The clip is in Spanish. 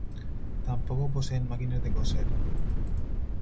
Tampoco poseen máquinas de coser.